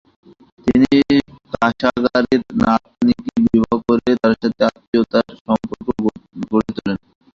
তিনি কাসাগারির নাতনীকে বিবাহ করে তার সাথে আত্মীয়তার সম্পর্ক গড়ে তোলেন।